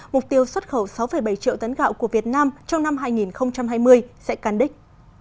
mục tiêu xuất khẩu sáu bảy triệu tấn gạo của việt nam trong năm hai nghìn hai mươi sẽ cắn đích